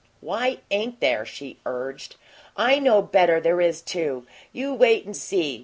"WHY ain't there?" she urged. "I know better there is, too! You wait and see.